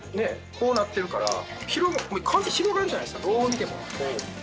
こうなってるから完全に広がるじゃないですかどう見ても。